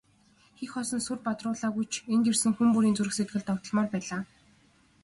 Хий хоосон сүр бадруулаагүй ч энд ирсэн хүн бүрийн зүрх сэтгэл догдолмоор байлаа.